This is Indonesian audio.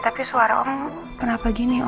tapi suara om kenapa gini om